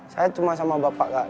saya cuma sama bapak kak